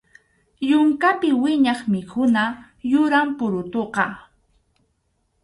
Yunkapi wiñaq mikhuna yuram purutuqa.